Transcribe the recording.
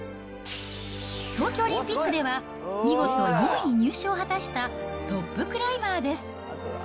東京オリンピックでは、見事４位入賞を果たしたトップクライマーです。